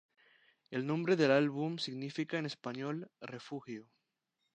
El nombre del álbum significa en español "refugio".